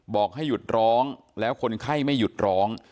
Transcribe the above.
บอกให้หยุดร้องแล้วคนไข้ไม่หยุดร้อง